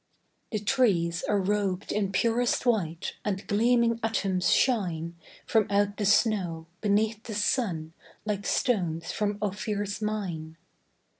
The trees are rob'd in purest white, And gleaming atoms shine From out the snow, beneath the sun, Like stones from Ophir's mine.